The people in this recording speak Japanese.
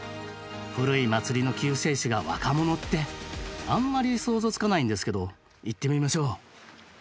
古い祭りの救世主が若者ってあんまり想像つかないんですけど行ってみましょう！